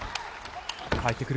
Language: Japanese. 返ってくる。